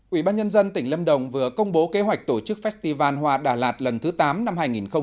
ủy ban nhân dân tỉnh lâm đồng vừa công bố kế hoạch tổ chức festival hoa đà lạt lần thứ tám năm hai nghìn một mươi chín